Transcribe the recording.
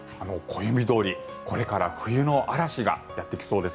暦どおりこれから冬の嵐がやってきそうです。